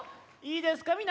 いいですか？